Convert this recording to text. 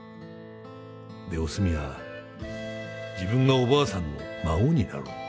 でおすみは自分がおばあさんの孫になろう。